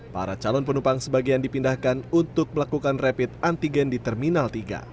para calon penumpang sebagian dipindahkan untuk melakukan rapid antigen di terminal tiga